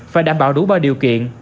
phải đảm bảo đủ bao điều kiện